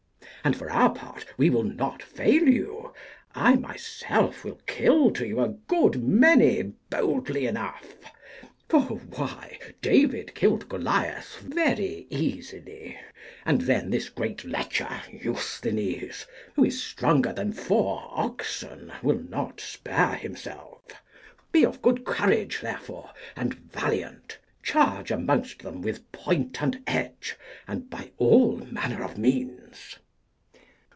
And for our part we will not fail you. I myself will kill to you a good many boldly enough; for why, David killed Goliath very easily; and then this great lecher, Eusthenes, who is stronger than four oxen, will not spare himself. Be of good courage, therefore, and valiant; charge amongst them with point and edge, and by all manner of means.